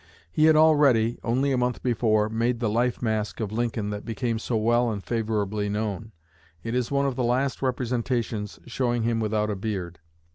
He had already, only a month before, made the life mask of Lincoln that became so well and favorably known. It is one of the last representations showing him without a beard.